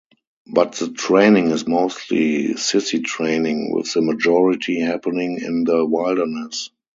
But the training is mostly sissi training with the majority happening in the wilderness.